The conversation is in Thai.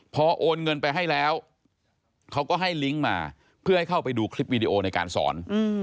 พอโอนเงินไปให้แล้วเขาก็ให้ลิงก์มาเพื่อให้เข้าไปดูคลิปวีดีโอในการสอน